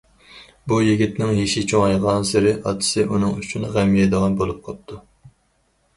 بۇ يىگىتنىڭ يېشى چوڭايغانسېرى ئاتىسى ئۇنىڭ ئۈچۈن غەم يەيدىغان بولۇپ قاپتۇ.